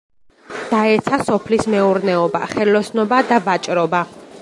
დაეცა სოფლის მეურნეობა, ხელოსნობა და ვაჭრობა.